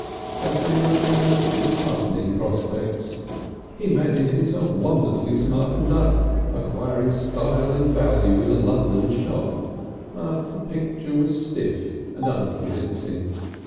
But they remained disheartening prospects. He imagined himself wonderfully smartened up, acquiring style and value in a London shop, but the picture was stiff and unconvincing.